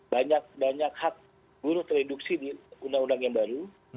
banyak banyak hak buruh tereduksi di undang undang yang baru